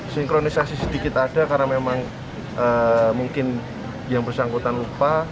sinkronisasi sedikit ada karena memang mungkin yang bersangkutan lupa